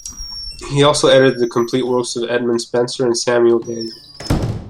He also edited the complete works of Edmund Spenser and Samuel Daniel.